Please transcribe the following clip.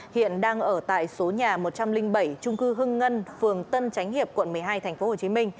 hiện đang ở tại số nhà một trăm linh bảy trung cư hưng ngân phường tân chánh hiệp quận một mươi hai tp hcm